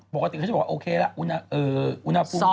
ปกติเขาจะบอกว่าโอเคละอุณหภูมิ